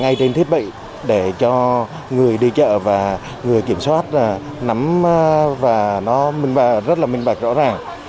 ngay trên thiết bị để cho người đi chợ và người kiểm soát nắm và nó rất là minh bạch rõ ràng